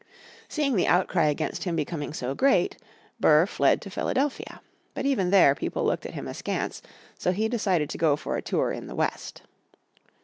Seeing the outcry against him becoming so great, Burr fled to Philadelphia. But even there, people looked at him askance, so he decided to go for a tour in the West.